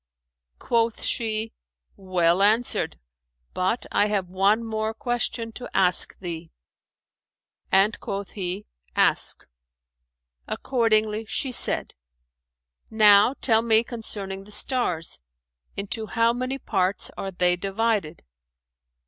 Quoth she, "Well answered; but I have one more question to ask thee;" and quoth he, "Ask!" Accordingly she said, "Now tell me concerning the stars, into how many parts are they divided."